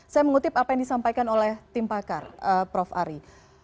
saya mengutip apa yang disampaikan oleh tim pakar prof ari